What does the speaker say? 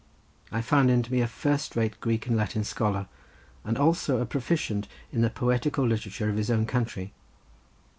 I found him to be a first rate Greek and Latin scholar, and also a proficient in the poetical literature of his own country.